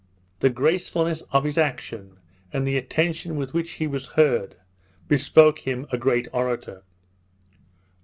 The gracefulness of his action, and the attention with which he was heard, bespoke him a great orator.